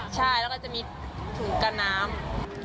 ใช่แล้วก็จะมีถุงกันน้ำ